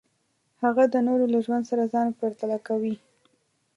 هغه د نورو له ژوند سره ځان پرتله کوي.